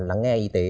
lắng nghe y tế